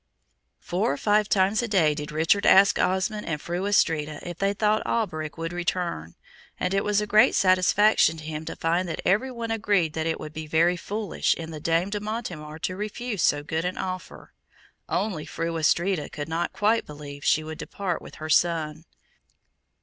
Four or five times a day did Richard ask Osmond and Fru Astrida if they thought Alberic would return, and it was a great satisfaction to him to find that every one agreed that it would be very foolish in the Dame de Montemar to refuse so good an offer, only Fru Astrida could not quite believe she would part with her son.